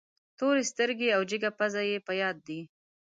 تورې سترګې او جګه پزه یې په یاد دي.